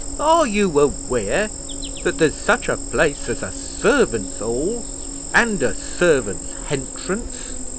Are you aware that there's such a place as a servants' 'all and a servants' hentrance?"